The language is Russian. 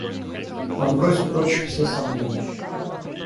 Отбрось прочь все сомнения.